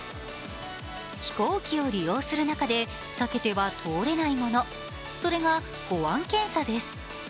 飛行機を利用する中で避けては通れないもの、それか保安検査です。